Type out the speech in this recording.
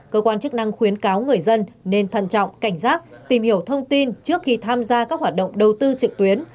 cơ quan chức năng khuyến cáo người dân nên thần trọng cảnh giác tìm hiểu thông tin trước khi tham gia các hoạt động đầu tư trực tuyến